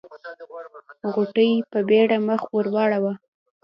غوټۍ په بيړه مخ ور واړاوه.